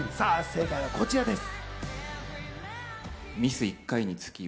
正解はこちらです。